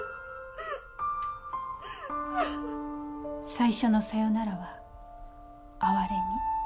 最初の「さよなら」は哀れみ。